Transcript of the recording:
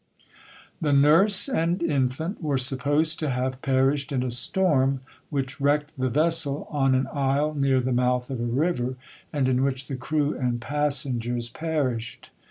'The nurse and infant were supposed to have perished in a storm which wrecked the vessel on an isle near the mouth of a river, and in which the crew and passengers perished.